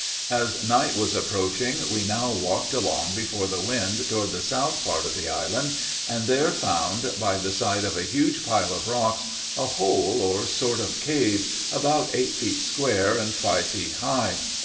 As night was approaching, we now walked along before the wind toward the south part of the island, and there found, by the side of a huge pile of rocks, a hole or sort of cave, about eight feet square and five feet high.